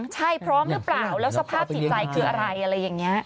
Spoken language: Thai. ใช่พร้อมหรือเปล่าแล้วสภาพจิตใจคืออะไรอะไรอย่างนี้